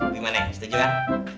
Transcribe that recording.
gimana ya setuju kan